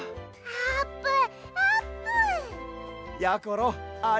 あーぷん！